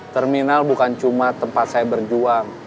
terminal bukan cuma tempat saya berjuang